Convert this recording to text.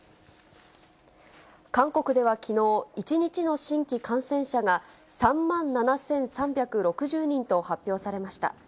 韓国ではきのう、１日の新規感染者が３万７３６０人と発表されました。